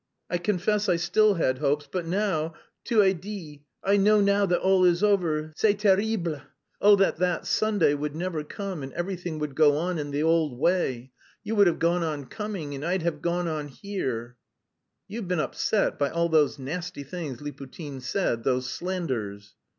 I confess I still had hopes, but now tout est dit. I know now that all is over. C'est terrible! Oh, that that Sunday would never come and everything would go on in the old way. You would have gone on coming and I'd have gone on here...." "You've been upset by all those nasty things Liputin said, those slanders."